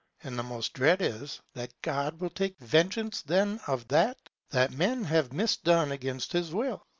And the most dread is, that God will take vengeance then of that that men have misdone against his will.